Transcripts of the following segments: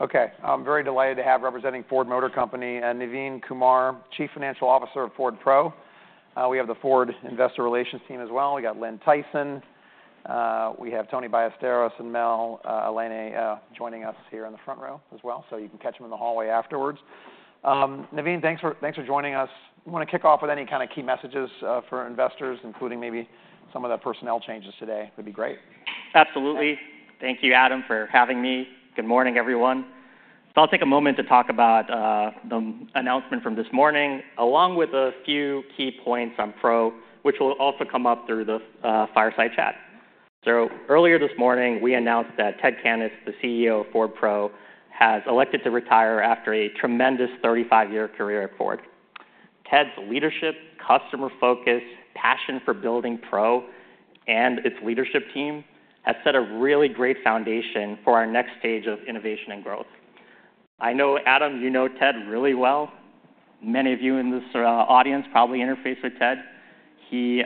Okay, I'm very delighted to have representing Ford Motor Company, Navin Kumar, Chief Financial Officer of Ford Pro. We have the Ford Investor Relations team as well. We got Lynn Tyson. We have Tony Ballesteros and Melanie joining us here in the front row as well, so you can catch them in the hallway afterwards. Navin, thanks for joining us. You want to kick off with any k ind of key messages for investors, including maybe some of the personnel changes today, would be great. Absolutely. Thank you, Adam, for having me. Good morning, everyone. So I'll take a moment to talk about the announcement from this morning, along with a few key points on Pro, which will also come up through the fireside chat. So earlier this morning, we announced that Ted Cannis, the CEO of Ford Pro, has elected to retire after a tremendous thirty-five-year career at Ford. Ted's leadership, customer focus, passion for building Pro and its leadership team, has set a really great foundation for our next stage of innovation and growth. I know, Adam, you know Ted really well. Many of you in this audience probably interface with Ted. He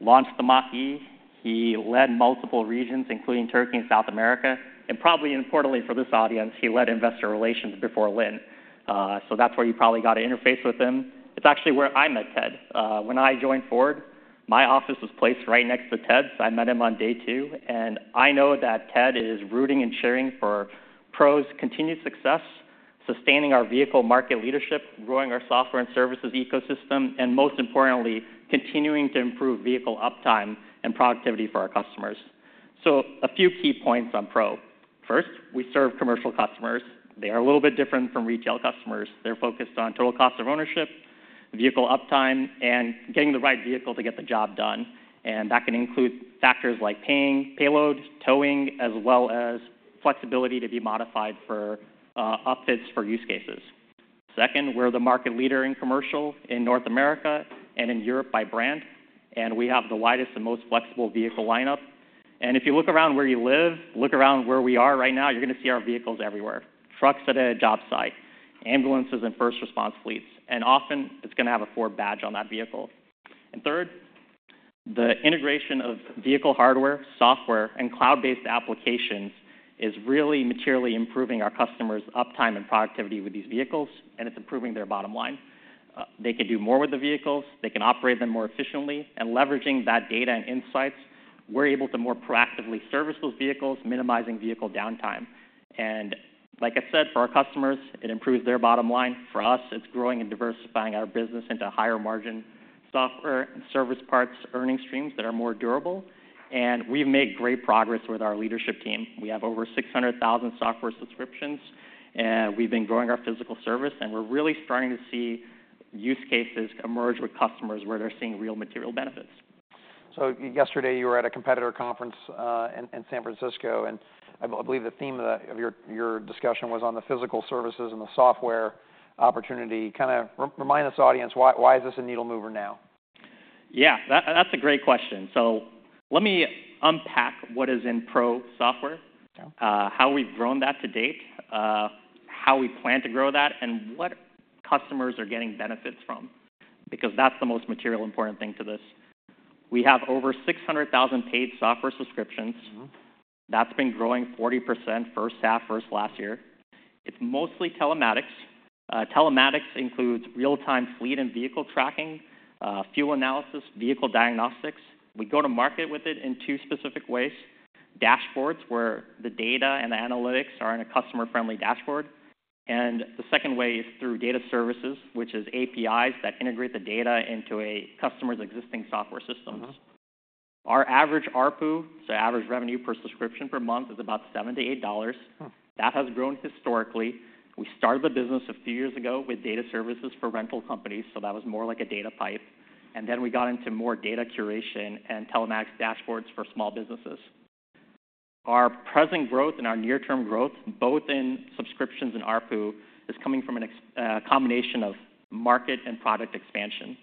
launched the Mach-E. He led multiple regions, including Turkey and South America, and probably importantly for this audience, he led Investor Relations before Lynn. So that's where you probably got to interface with him. It's actually where I met Ted. When I joined Ford, my office was placed right next to Ted, so I met him on day two, and I know that Ted is rooting and cheering for Pro's continued success, sustaining our vehicle market leadership, growing our software and services ecosystem, and most importantly, continuing to improve vehicle uptime and productivity for our customers, so a few key points on Pro. First, we serve commercial customers. They are a little bit different from retail customers. They're focused on total cost of ownership, vehicle uptime, and getting the right vehicle to get the job done, and that can include factors like payload, towing, as well as flexibility to be modified for upfits for use cases. Second, we're the market leader in commercial in North America and in Europe by brand, and we have the widest and most flexible vehicle lineup. If you look around where you live, look around where we are right now, you're going to see our vehicles everywhere. Trucks at a job site, ambulances and first response fleets, and often it's going to have a Ford badge on that vehicle. Third, the integration of vehicle hardware, software, and cloud-based applications is really materially improving our customers' uptime and productivity with these vehicles, and it's improving their bottom line. They can do more with the vehicles, they can operate them more efficiently, and leveraging that data and insights, we're able to more proactively service those vehicles, minimizing vehicle downtime. Like I said, for our customers, it improves their bottom line. For us, it's growing and diversifying our business into higher-margin software and service parts, earning streams that are more durable. We've made great progress with our leadership team. We have over 600,000 software subscriptions, and we've been growing our physical service, and we're really starting to see use cases emerge with customers where they're seeing real material benefits. So yesterday, you were at a competitor conference in San Francisco, and I believe the theme of your discussion was on the physical services and the software opportunity. Kind of remind this audience, why is this a needle mover now? Yeah, that, that's a great question. So let me unpack what is in Pro software- Yeah... how we've grown that to date, how we plan to grow that, and what customers are getting benefits from, because that's the most material important thing to this. We have over six hundred thousand paid software subscriptions. Mm-hmm. That's been growing 40% first half, versus last year. It's mostly telematics. Telematics includes real-time fleet and vehicle tracking, fuel analysis, vehicle diagnostics. We go to market with it in two specific ways: dashboards, where the data and the analytics are in a customer-friendly dashboard, and the second way is through data services, which is APIs that integrate the data into a customer's existing software systems. Mm-hmm. Our average ARPU, so average revenue per subscription per month, is about $7-$8. Hmm. That has grown historically. We started the business a few years ago with data services for rental companies, so that was more like a data pipe. And then we got into more data curation and telematics dashboards for small businesses. Our present growth and our near-term growth, both in subscriptions and ARPU, is coming from a combination of market and product expansion.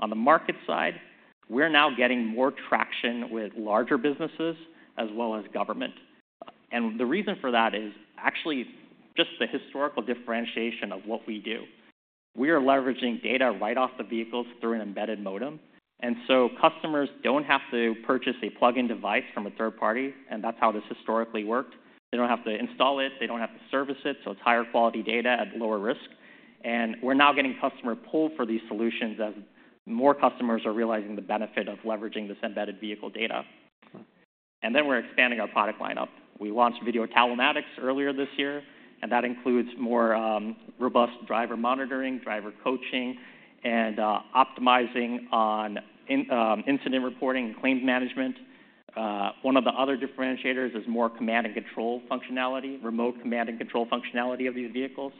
On the market side, we're now getting more traction with larger businesses as well as government. And the reason for that is actually just the historical differentiation of what we do. We are leveraging data right off the vehicles through an embedded modem, and so customers don't have to purchase a plug-in device from a third party, and that's how this historically worked. They don't have to install it, they don't have to service it, so it's higher quality data at lower risk. We're now getting customer pull for these solutions as more customers are realizing the benefit of leveraging this embedded vehicle data. Hmm. And then we're expanding our product lineup. We launched video telematics earlier this year, and that includes more robust driver monitoring, driver coaching, and optimizing incident reporting and claims management. One of the other differentiators is more command and control functionality, remote command and control functionality of these vehicles.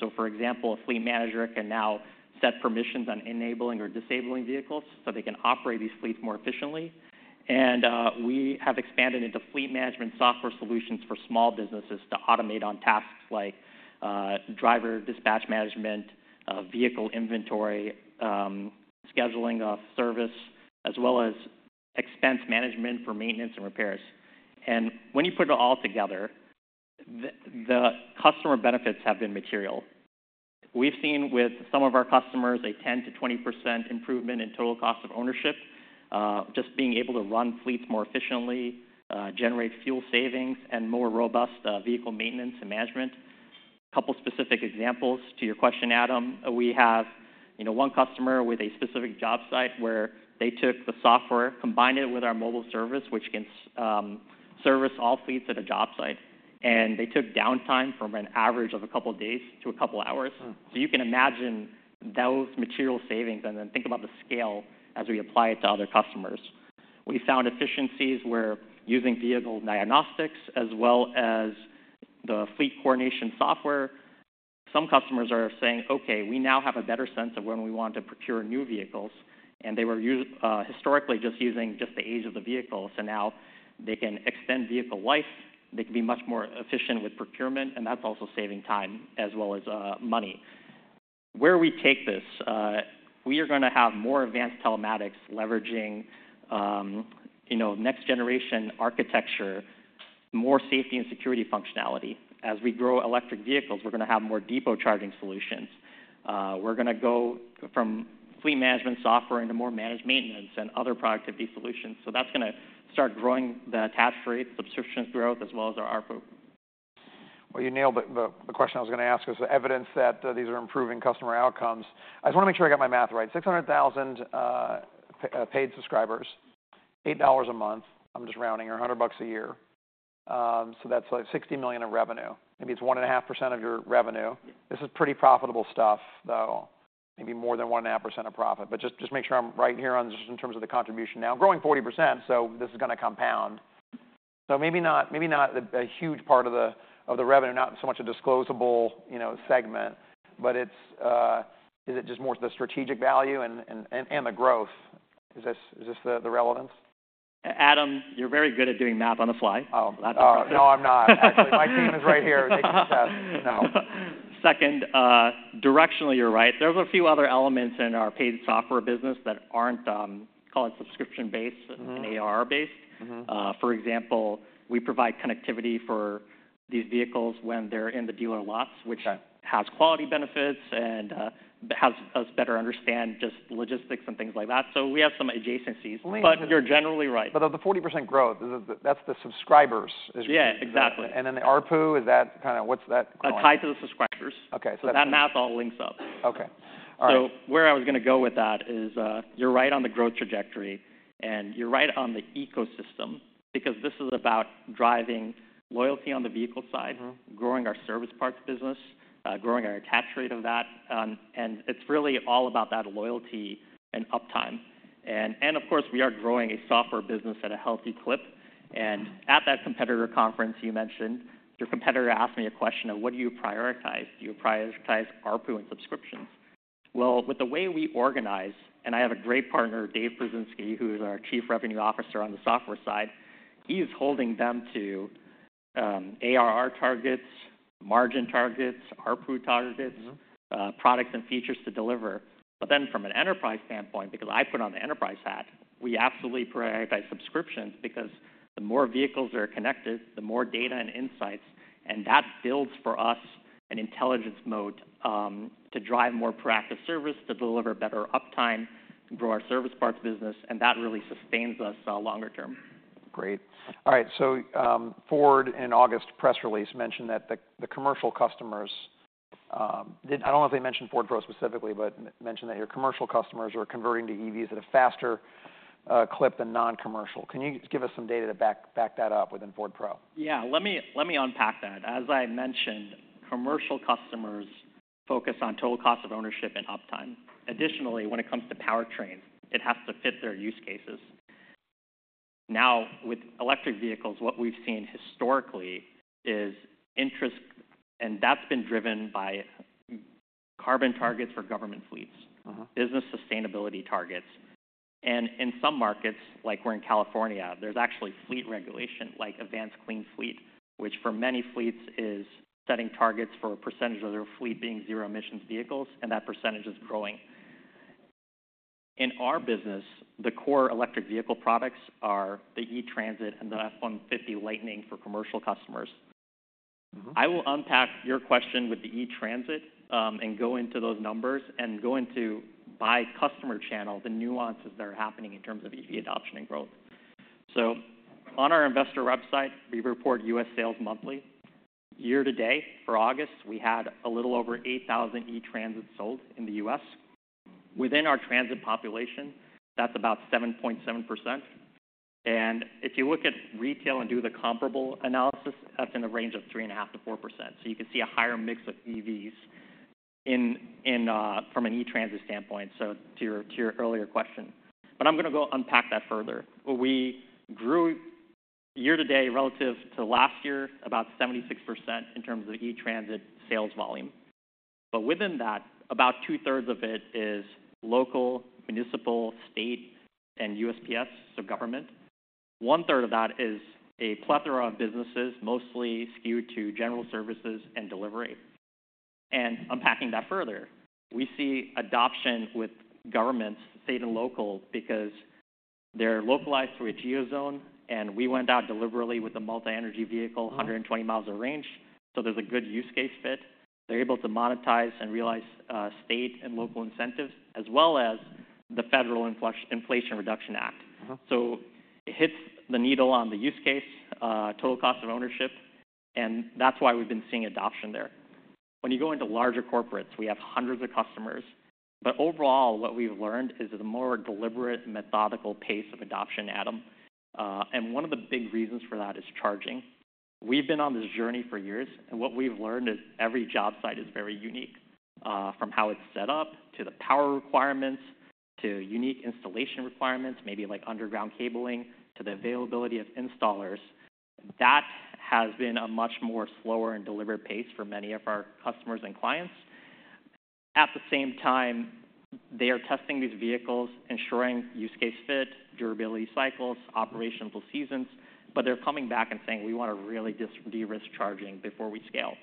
So, for example, a fleet manager can now set permissions on enabling or disabling vehicles, so they can operate these fleets more efficiently. And we have expanded into a fleet management software solutions for small businesses to automate tasks like driver dispatch management, vehicle inventory, scheduling of service, as well as expense management for maintenance and repairs. And when you put it all together, the customer benefits have been material. We've seen with some of our customers a 10%-20% improvement in total cost of ownership, just being able to run fleets more efficiently, generate fuel savings, and more robust vehicle maintenance and management. A couple specific examples to your question, Adam. We have, you know, one customer with a specific job site where they took the software, combined it with our mobile service, which can service all fleets at a job site, and they took downtime from an average of a couple of days to a couple hours. Hmm. So you can imagine those material savings and then think about the scale as we apply it to other customers. We found efficiencies where using vehicle diagnostics as well as the fleet coordination software, some customers are saying: "Okay, we now have a better sense of when we want to procure new vehicles," and they were historically just using the age of the vehicle. So now they can extend vehicle life, they can be much more efficient with procurement, and that's also saving time as well as money. Where we take this, we are gonna have more advanced telematics leveraging you know, next-generation architecture, more safety and security functionality. As we grow electric vehicles, we're gonna have more depot charging solutions. We're gonna go from fleet management software into more managed maintenance and other productivity solutions. So that's gonna start growing the attach rate, subscription growth, as well as our ARPU. You nailed the question I was gonna ask was the evidence that these are improving customer outcomes. I just wanna make sure I got my math right. 600,000 paid subscribers, $8 a month, I'm just rounding, or $100 a year. So that's, like, $60 million in revenue. Maybe it's 1.5% of your revenue. Yeah. This is pretty profitable stuff, though. Maybe more than 1.5% of profit. But just make sure I'm right here on just in terms of the contribution now. Growing 40%, so this is gonna compound. So maybe not a huge part of the revenue, not so much a disclosable, you know, segment, but it's... Is it just more the strategic value and the growth? Is this the relevance? Adam, you're very good at doing math on the fly. Oh. Not to- No, I'm not. Actually, my team is right here. They can attest, no. Second, directionally, you're right. There's a few other elements in our paid software business that aren't, call it subscription-based- Mm-hmm... and ARR-based. Mm-hmm. For example, we provide connectivity for these vehicles when they're in the dealer lots. Yeah... which has quality benefits and, helps us better understand just logistics and things like that. So we have some adjacencies- Let me- But you're generally right. But of the 40% growth, that's the subscribers, is- Yeah, exactly. And then the ARPU, is that kind of-- What's that going? That's tied to the subscribers. Okay, so that- So that math all links up. Okay. All right. So where I was gonna go with that is, you're right on the growth trajectory, and you're right on the ecosystem because this is about driving loyalty on the vehicle side. Mm-hmm... growing our service parts business, growing our attach rate of that. And it's really all about that loyalty and uptime. And of course, we are growing a software business at a healthy clip. And at that competitor conference you mentioned, your competitor asked me a question of: "What do you prioritize? Do you prioritize ARPU and subscriptions?" Well, with the way we organize, and I have a great partner, Dave Przewoznik, who is our Chief Revenue Officer on the software side, he is holding them to ARR targets, margin targets, ARPU targets- Mm-hmm... products and features to deliver. But then from an enterprise standpoint, because I put on the enterprise hat, we absolutely prioritize subscriptions because the more vehicles are connected, the more data and insights, and that builds for us an intelligence mode, to drive more proactive service, to deliver better uptime, to grow our service parts business, and that really sustains us, longer-term. Great. All right, so, Ford in an August press release mentioned that the commercial customers, I don't know if they mentioned Ford Pro specifically, but mentioned that your commercial customers are converting to EVs at a faster clip than non-commercial. Can you give us some data to back that up within Ford Pro? Yeah, let me unpack that. As I mentioned, commercial customers focus on total cost of ownership and uptime. Additionally, when it comes to powertrain, it has to fit their use cases. Now, with electric vehicles, what we've seen historically is interest, and that's been driven by carbon targets. Mm-hmm... for government fleets- Uh-huh... business sustainability targets. And in some markets, like we're in California, there's actually fleet regulation, like Advanced Clean Fleets, which for many fleets is setting targets for a percentage of their fleet being zero-emission vehicles, and that percentage is growing. In our business, the core electric vehicle products are the E-Transit and the F-150 Lightning for commercial customers. Mm-hmm. I will unpack your question with the E-Transit, and go into those numbers and go into by customer channel, the nuances that are happening in terms of EV adoption and growth. So on our investor website, we report U.S. sales monthly. Year-to-date, for August, we had a little over 8,000 E-Transit sold in the U.S. Within our Transit population, that's about 7.7%, and if you look at retail and do the comparable analysis, that's in the range of 3.5%-4%. So you can see a higher mix of EVs in from an E-Transit standpoint, so to your earlier question. But I'm gonna go unpack that further. We grew year-to-date relative to last year, about 76% in terms of E-Transit sales volume. But within that, about two-thirds of it is local, municipal, state, and USPS, so government. One-third of that is a plethora of businesses, mostly skewed to general services and delivery. And unpacking that further, we see adoption with governments, state and local, because they're localized to a geo zone, and we went out deliberately with a multi-energy vehicle, 120 miles of range, so there's a good use case fit. They're able to monetize and realize state and local incentives, as well as the Federal Inflation Reduction Act. Mm-hmm. So it hits the nail on the use case, total cost of ownership, and that's why we've been seeing adoption there. When you go into larger corporates, we have hundreds of customers, but overall, what we've learned is that a more deliberate, methodical pace of adoption, Adam. And one of the big reasons for that is charging. We've been on this journey for years, and what we've learned is every job site is very unique, from how it's set up, to the power requirements, to unique installation requirements, maybe like underground cabling, to the availability of installers. That has been a much more slower and deliberate pace for many of our customers and clients. At the same time, they are testing these vehicles, ensuring use case fit, durability cycles, operational seasons, but they're coming back and saying, "We wanna really just de-risk charging before we scale."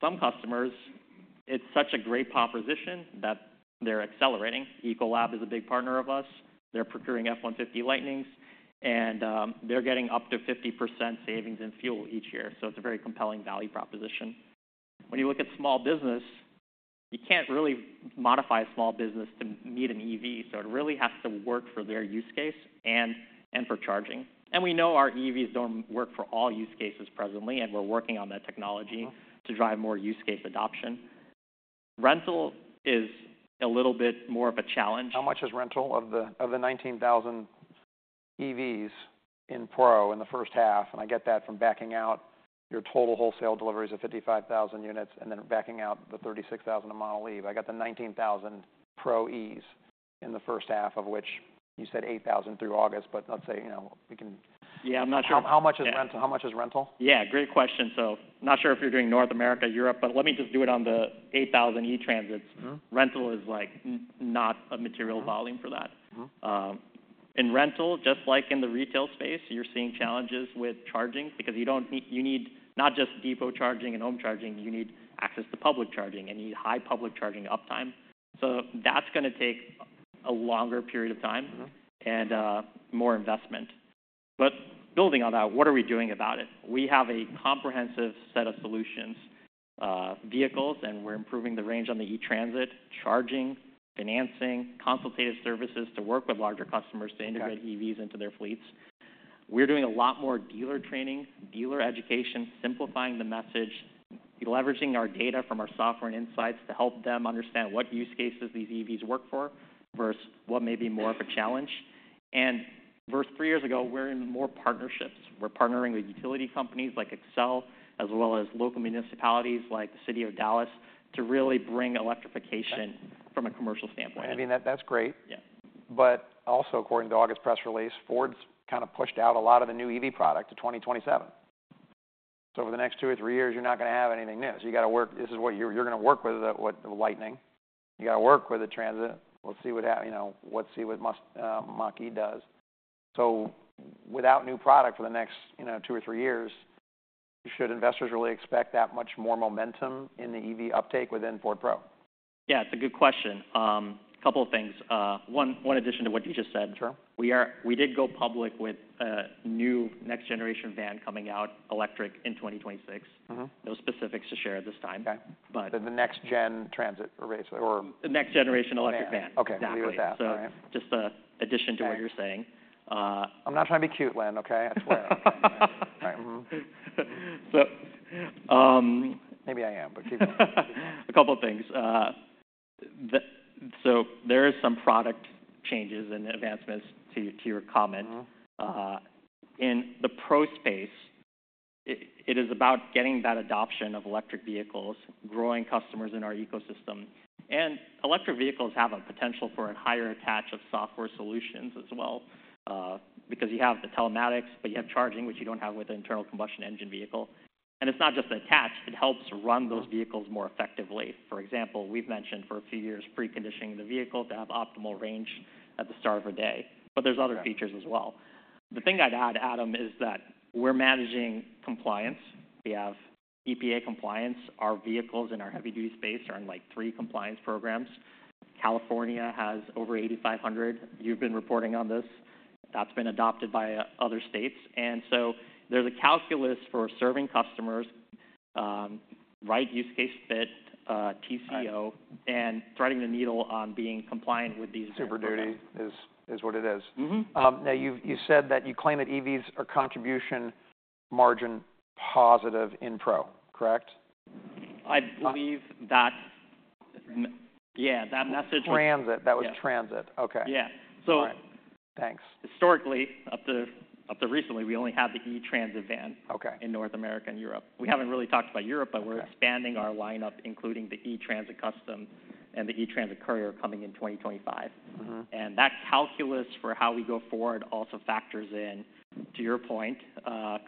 Some customers, it's such a great proposition that they're accelerating. Ecolab is a big partner of us. They're procuring F-150 Lightnings, and, they're getting up to 50% savings in fuel each year, so it's a very compelling value proposition. When you look at small business, you can't really modify a small business to meet an EV, so it really has to work for their use case and for charging. And we know our EVs don't work for all use cases presently, and we're working on that technology- Mm-hmm. -to drive more use case adoption. Rental is a little bit more of a challenge. How much is rental of the 19,000 EVs in Pro in the first half? And I get that from backing out your total wholesale deliveries of 55,000 units, and then backing out the 36,000 of Model Y. I got the 19,000 Pro EVs in the first half, of which you said 8,000 through August, but let's say, you know, we can- Yeah, I'm not sure. How much is rental? Yeah, great question, so not sure if you're doing North America, Europe, but let me just do it on the 8,000 E-Transits. Mm-hmm. Rental is, like, not a material- Mm-hmm... volume for that. Mm-hmm. In rental, just like in the retail space, you're seeing challenges with charging because you need not just depot charging and home charging, you need access to public charging, and you need high public charging uptime. So that's gonna take a longer period of time- Mm-hmm... and, more investment. But building on that, what are we doing about it? We have a comprehensive set of solutions, vehicles, and we're improving the range on the E-Transit, charging, financing, consultative services to work with larger customers to integrate- Got it... EVs into their fleets. We're doing a lot more dealer training, dealer education, simplifying the message, leveraging our data from our software and insights to help them understand what use cases these EVs work for, versus what may be more of a challenge. And versus three years ago, we're in more partnerships. We're partnering with utility companies like Xcel, as well as local municipalities like the City of Dallas, to really bring electrification- Okay from a commercial standpoint. I mean, that, that's great. Yeah. But also, according to August press release, Ford's kind of pushed out a lot of the new EV product to twenty twenty-seven. So over the next two or three years, you're not gonna have anything new. So you gotta work with this. This is what you're gonna work with, the Lightning. You gotta work with the Transit. We'll see what happens, you know. We'll see what the Mach-E does. So without new product for the next, you know, two or three years, should investors really expect that much more momentum in the EV uptake within Ford Pro? Yeah, it's a good question. Couple of things. One addition to what you just said. Sure. We did go public with a new next-generation van coming out, electric, in 2026. Mm-hmm. No specifics to share at this time. Okay. But- The next-gen Transit or Ranger or- The next-generation electric van. Van. Okay. Exactly. Got that. Just an addition. Right... to what you're saying. I'm not trying to be cute, Lynn, okay? I swear. All right. Mm-hmm. So, um- Maybe I am, but keep going. A couple of things. So there is some product changes and advancements to your comment. Mm-hmm. In the Pro space, it is about getting that adoption of electric vehicles, growing customers in our ecosystem. And electric vehicles have a potential for a higher attach of software solutions as well, because you have the telematics, but you have charging, which you don't have with an internal combustion engine vehicle. And it's not just the attach, it helps run those vehicles more effectively. For example, we've mentioned for a few years, preconditioning the vehicle to have optimal range at the start of a day, but there's other- Okay... features as well. The thing I'd add, Adam, is that we're managing compliance. We have EPA compliance. Our vehicles in our heavy-duty space are in, like, three compliance programs. California has over 8,500. You've been reporting on this. That's been adopted by other states. And so there's a calculus for serving customers, right use case fit, TCO- Right... and threading the needle on being compliant with these- Super Duty is what it is. Mm-hmm. Now, you said that you claim that EVs are contribution margin positive in Pro, correct? I believe that... Yeah, that message- Transit. Yeah. That was Transit. Okay. Yeah. All right. Thanks. Historically, up to recently, we only had the E-Transit van- Okay... in North America and Europe. We haven't really talked about Europe- Okay... but we're expanding our lineup, including the E-Transit Custom and the E-Transit Courier coming in 2025. Mm-hmm. And that calculus for how we go forward also factors in, to your point,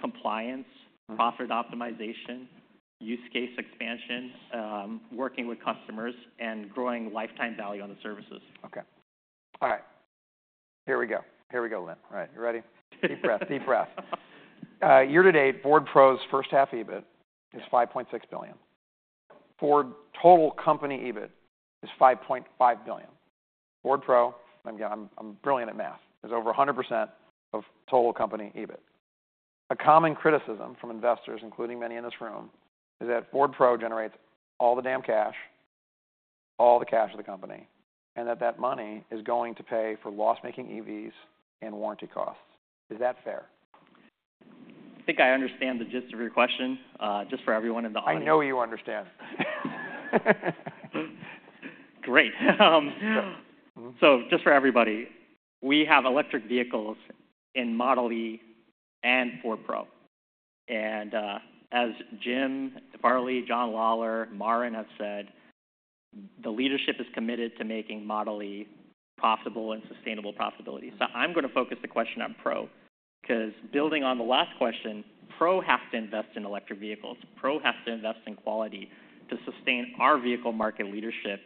compliance. Mm-hmm... profit optimization, use case expansion, working with customers, and growing lifetime value on the services. Okay. All right. Here we go. Here we go, Kumar. All right, you ready? Deep breath, deep breath. Year to date, Ford Pro's first half EBIT is $5.6 billion. Ford total company EBIT is $5.5 billion. Ford Pro, and again, I'm brilliant at math, is over 100% of total company EBIT. A common criticism from investors, including many in this room, is that Ford Pro generates all the damn cash, all the cash of the company, and that that money is going to pay for loss-making EVs and warranty costs. Is that fair? I think I understand the gist of your question, just for everyone in the audience- I know you understand. Great. So just for everybody, we have electric vehicles in Model E and Ford Pro. And as Jim Farley, John Lawler, Marin have said, the leadership is committed to making Model E possible and sustainable profitability. So I'm gonna focus the question on Pro, 'cause building on the last question, Pro has to invest in electric vehicles. Pro has to invest in quality to sustain our vehicle market leadership,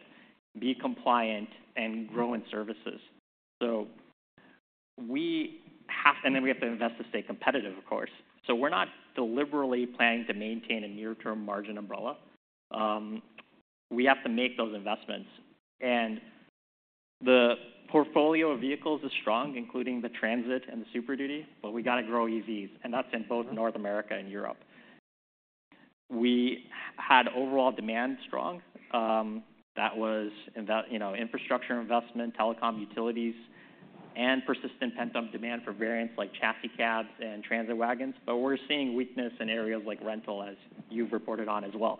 be compliant, and grow in services. So we have to invest to stay competitive, of course. So we're not deliberately planning to maintain a near-term margin umbrella. We have to make those investments. And the portfolio of vehicles is strong, including the Transit and the Super Duty, but we got to grow EVs, and that's in both North America and Europe. We had overall demand strong. That was investment, you know, infrastructure investment, telecom, utilities, and persistent pent-up demand for variants like chassis cabs and transit wagons, but we're seeing weakness in areas like rental, as you've reported on as well.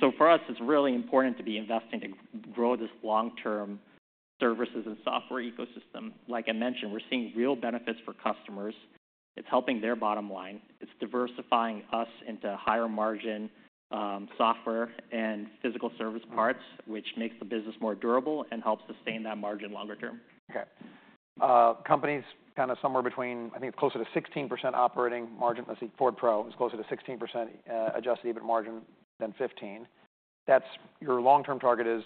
So for us, it's really important to be investing to grow this long-term services and software ecosystem. Like I mentioned, we're seeing real benefits for customers. It's helping their bottom line. It's diversifying us into higher margin, software and physical service parts, which makes the business more durable and helps sustain that margin longer-term. Okay. Companies kind of somewhere between, I think, closer to 16% operating margin. Let's see, Ford Pro is closer to 16%, adjusted EBIT margin than 15%. That's your long-term target is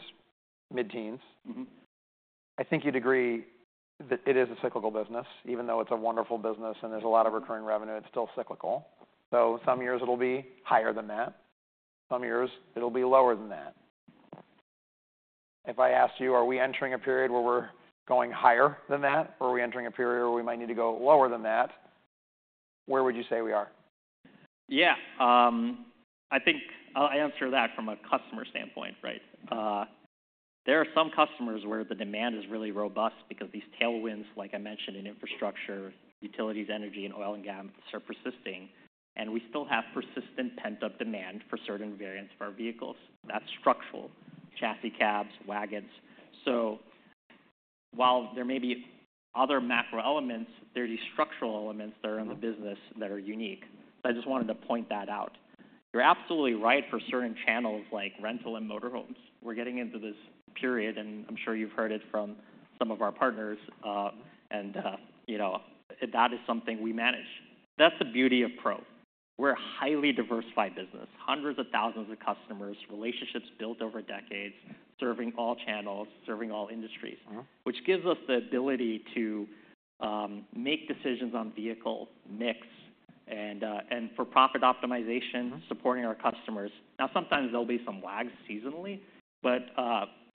mid-teens. Mm-hmm. I think you'd agree that it is a cyclical business. Even though it's a wonderful business and there's a lot of recurring revenue, it's still cyclical. So some years it'll be higher than that, some years it'll be lower than that. If I asked you, are we entering a period where we're going higher than that, or are we entering a period where we might need to go lower than that, where would you say we are? Yeah. I think I'll answer that from a customer standpoint, right? There are some customers where the demand is really robust because these tailwinds, like I mentioned, in infrastructure, utilities, energy, and oil and gas, are persisting, and we still have persistent pent-up demand for certain variants of our vehicles. That's structural, chassis cabs, wagons. So while there may be other macro elements, there are these structural elements that are in the business that are unique. So I just wanted to point that out. You're absolutely right for certain channels like rental and motor homes. We're getting into this period, and I'm sure you've heard it from some of our partners, and you know, that is something we manage. That's the beauty of Pro. We're a highly diversified business. Hundreds of thousands of customers, relationships built over decades, serving all channels, serving all industries- Mm-hmm... which gives us the ability to make decisions on vehicle mix and for profit optimization- Mm-hmm... supporting our customers. Now, sometimes there'll be some lag seasonally, but,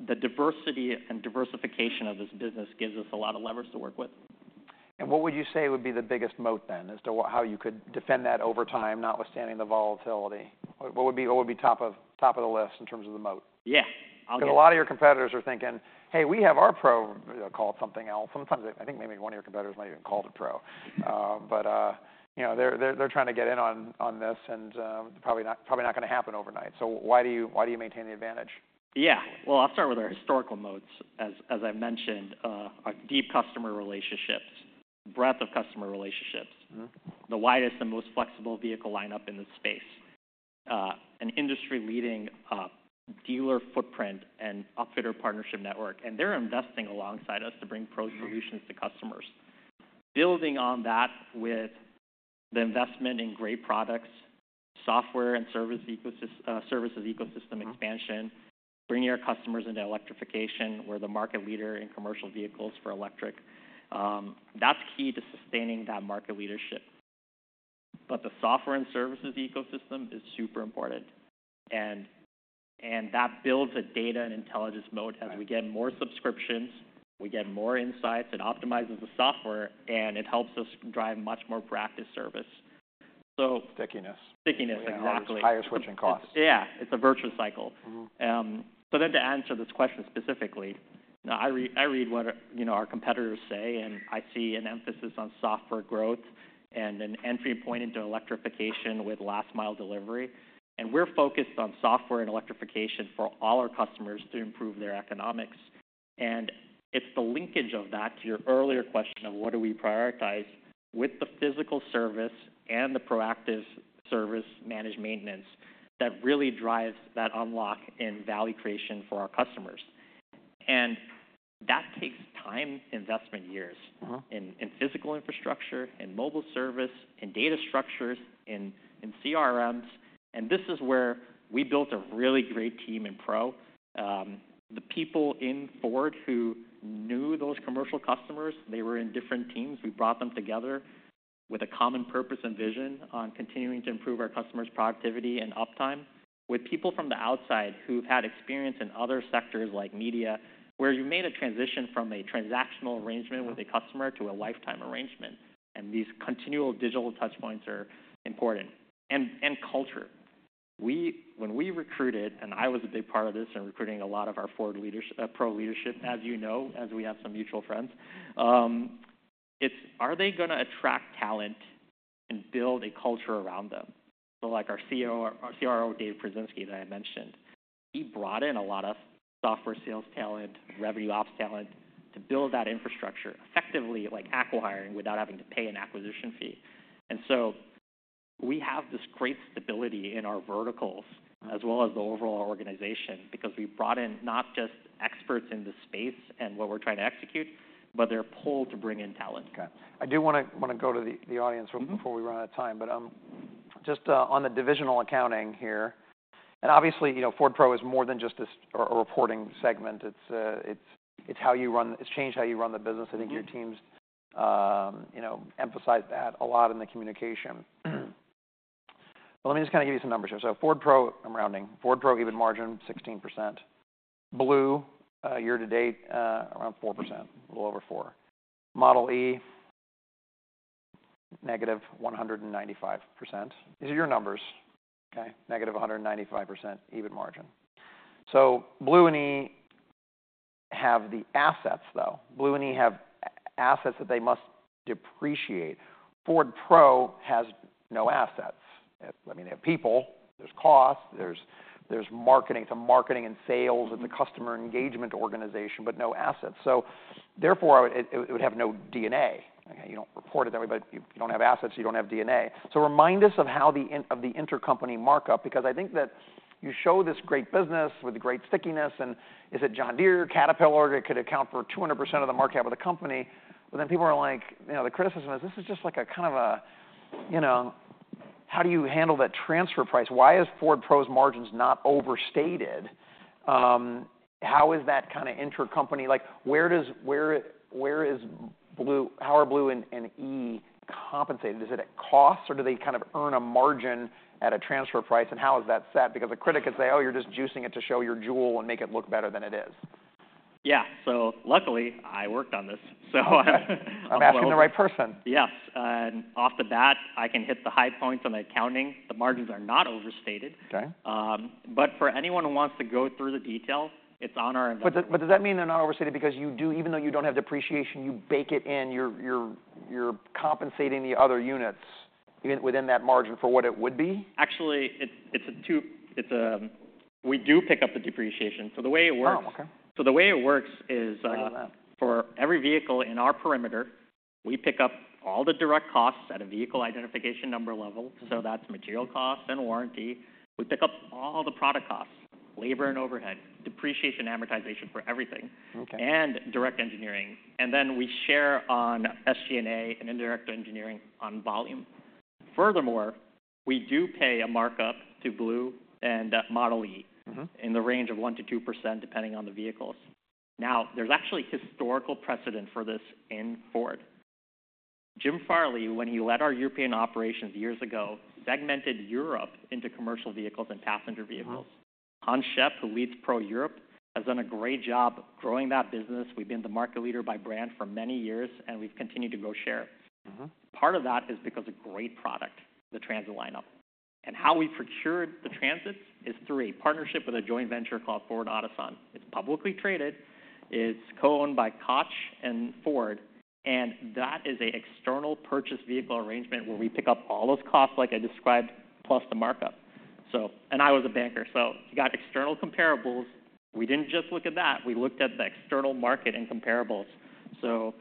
the diversity and diversification of this business gives us a lot of levers to work with. What would you say would be the biggest moat then, as to how you could defend that over time, notwithstanding the volatility? What would be top of the list in terms of the moat? Yeah, I'll get- 'Cause a lot of your competitors are thinking, "Hey, we have our pro," called something else. Sometimes, I think maybe one of your competitors might even call it a pro. But, you know, they're trying to get in on this, and, probably not gonna happen overnight. So why do you maintain the advantage? Yeah. Well, I'll start with our historical moats. As I mentioned, our deep customer relationships, breadth of customer relationships- Mm-hmm... the widest and most flexible vehicle lineup in the space, an industry-leading, dealer footprint and outfitter partnership network, and they're investing alongside us to bring Pro solutions- Mm-hmm... to customers. Building on that with the investment in great products, software and services ecosystem expansion- Mm-hmm... bringing our customers into electrification. We're the market leader in commercial vehicles for electric. That's key to sustaining that market leadership. But the software and services ecosystem is super important, and that builds a data and intelligence moat. Right. As we get more subscriptions, we get more insights, it optimizes the software, and it helps us drive much more proactive service, so. Stickiness. Stickiness, exactly. Higher switching costs. Yeah, it's a virtuous cycle. Mm-hmm. So then to answer this question specifically, now, I read what, you know, our competitors say, and I see an emphasis on software growth and an entry point into electrification with last-mile delivery, and we're focused on software and electrification for all our customers to improve their economics. And it's the linkage of that to your earlier question of: What do we prioritize with the physical service and the proactive service, managed maintenance, that really drives that unlock in value creation for our customers? And that takes time, investment years- Mm-hmm... in physical infrastructure, in mobile service, in data structures, in CRMs, and this is where we built a really great team in Pro. The people in Ford who knew those commercial customers, they were in different teams. We brought them together with a common purpose and vision on continuing to improve our customers' productivity and uptime, with people from the outside who've had experience in other sectors like media, where you've made a transition from a transactional arrangement with a customer to a lifetime arrangement, and these continual digital touch points are important. And culture. When we recruited, and I was a big part of this in recruiting a lot of our Ford Pro leadership, as you know, as we have some mutual friends, it's, are they gonna attract talent and build a culture around them? So, like our CEO, our CRO, Dave Przewoznik, that I mentioned, he brought in a lot of software sales talent, revenue ops talent, to build that infrastructure effectively, like acquihiring, without having to pay an acquisition fee. And so we have this great stability in our verticals, as well as the overall organization, because we brought in not just experts in the space and what we're trying to execute, but they're pulled to bring in talent. Okay. I do wanna go to the audience before we run out of time. But just on the divisional accounting here, and obviously, you know, Ford Pro is more than just a segment or a reporting segment. It's it's how you run... It's changed how you run the business. Mm-hmm. I think your teams, you know, emphasize that a lot in the communication. But let me just kind of give you some numbers here. So Ford Pro, I'm rounding, Ford Pro, EBIT margin, 16%. Blue, year to date, around 4%, a little over four. Model E, -195%. These are your numbers, okay? -195%, EBIT margin. So Blue and E have the assets, though. Blue and E have assets that they must depreciate. Ford Pro has no assets. I mean, they have people, there's costs, there's marketing, some marketing and sales- Mm-hmm... and the customer engagement organization, but no assets. So therefore, it would have no D&A. Okay, you don't report it that way, but if you don't have assets, you don't have D&A. So remind us of how the intercompany markup, because I think that you show this great business with great stickiness, and is it John Deere, Caterpillar, it could account for 200% of the market cap of the company. But then people are like, you know, the criticism is: this is just like a kind of a, you know... How do you handle that transfer price? Why is Ford Pro's margins not overstated? How is that kind of intercompany... Like, where is Blue- how are Blue and E compensated? Is it at cost, or do they kind of earn a margin at a transfer price, and how is that set? Because a critic could say, "Oh, you're just juicing it to show your jewel and make it look better than it is. Yeah. So luckily, I worked on this, so Okay. I'm asking the right person. Yes, and off the bat, I can hit the high points on the accounting. The margins are not overstated. Okay. But for anyone who wants to go through the details, it's on our- But does that mean they're not overstated because you do even though you don't have depreciation, you bake it in, you're compensating the other units within that margin for what it would be? Actually, we do pick up the depreciation. So the way it works- Oh, okay. So the way it works is. Wow... for every vehicle in our perimeter, we pick up all the direct costs at a Vehicle Identification Number level. Mm-hmm. So that's material costs and warranty. We pick up all the product costs, labor and overhead, depreciation and amortization for everything- Okay... and direct engineering, and then we share on SG&A and indirect engineering on volume. Furthermore, we do pay a markup to Blue and Model E. Mm-hmm.. in the range of 1%-2%, depending on the vehicles. Now, there's actually historical precedent for this in Ford. Jim Farley, when he led our European operations years ago, segmented Europe into commercial vehicles and passenger vehicles. Wow! Hans Schep, who leads Pro Europe, has done a great job growing that business. We've been the market leader by brand for many years, and we've continued to grow share. Mm-hmm. Part of that is because of great product, the Transit lineup. And how we procured the Transits is through a partnership with a joint venture called Ford Otosan. It's publicly traded, it's co-owned by Koç and Ford, and that is a external purchase vehicle arrangement where we pick up all those costs, like I described, plus the markup. So, and I was a banker, so you got external comparables. We didn't just look at that. We looked at the external market and comparables, so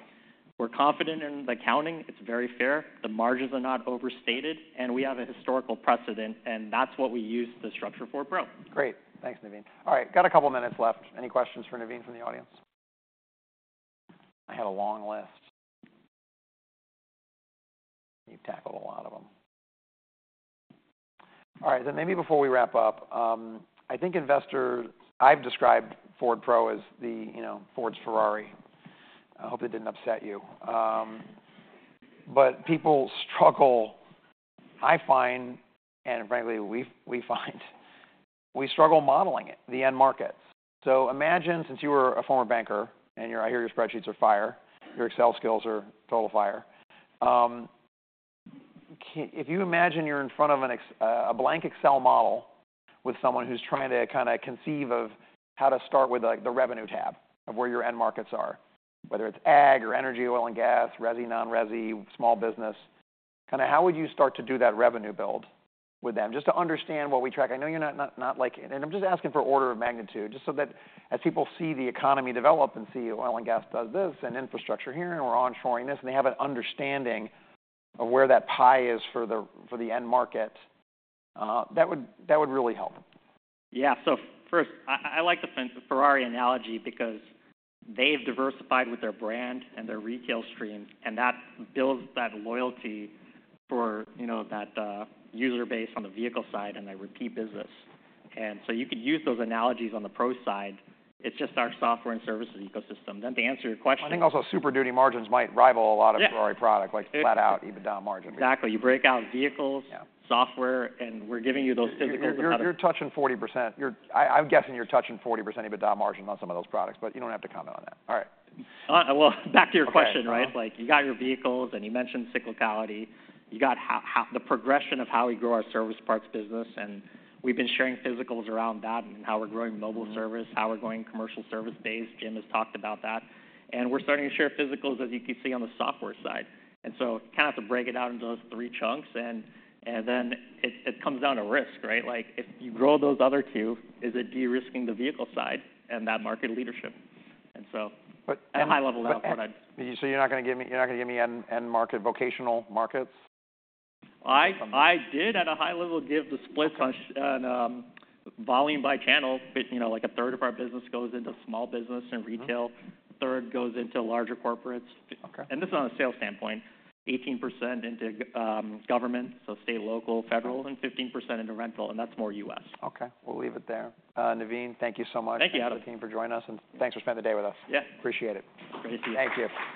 we're confident in the accounting. It's very fair. The margins are not overstated, and we have a historical precedent, and that's what we use to structure Ford Pro. Great. Thanks, Navin. All right, got a couple minutes left. Any questions for Navin from the audience? I had a long list. You've tackled a lot of them. All right, then maybe before we wrap up, I think investors. I've described Ford Pro as the, you know, Ford's Ferrari. I hope that didn't upset you. But people struggle, I find, and frankly, we find we struggle modeling it, the end markets. So imagine, since you are a former banker and I hear your spreadsheets are fire, your Excel skills are total fire, if you imagine you're in front of a blank Excel model with someone who's trying to kind of conceive of how to start with, like, the revenue tab of where your end markets are, whether it's ag or energy, oil and gas, resi, non-resi, small business, kind of how would you start to do that revenue build with them, just to understand what we track? I know you're not like... I'm just asking for order of magnitude, just so that as people see the economy develop and see oil and gas does this, and infrastructure here, and we're onshoring this, and they have an understanding of where that pie is for the end market, that would really help. Yeah. So first, I like the Ferrari analogy because they've diversified with their brand and their retail streams, and that builds that loyalty for, you know, that user base on the vehicle side, and they repeat business. And so you could use those analogies on the Pro side. It's just our software and services ecosystem. Then to answer your question- I think also Super Duty margins might rival a lot of- Yeah... Ferrari product, like flat out EBITDA margin. Exactly. You break out vehicles- Yeah ... software, and we're giving you those typical- You're touching 40%. I'm guessing you're touching 40% EBITDA margin on some of those products, but you don't have to comment on that. All right. Well, back to your question, right? Okay. Like, you got your vehicles, and you mentioned cyclicality. You got how, the progression of how we grow our service parts business, and we've been sharing financials around that and how we're growing mobile service- Mm-hmm... how we're growing commercial service base. Jim has talked about that. We're starting to share vehicles, as you can see, on the software side. So kind of to break it out into those three chunks, and then it comes down to risk, right? Like, if you grow those other two, is it de-risking the vehicle side and that market leadership? So- But-... at a high level, that's what I'd- So you're not gonna give me end market, vocational markets? I did at a high level give the splits on- Okay... on, volume by channel. But, you know, like, a third of our business goes into small business and retail. Mm-hmm. A third goes into larger corporates. Okay. This is on a sales standpoint. 18% into government, so state, local, federal, and 15% into rental, and that's more U.S. Okay. We'll leave it there. Navin, thank you so much- Thank you... and the team for joining us, and thanks for spending the day with us. Yeah. Appreciate it. Great to see you. Thank you.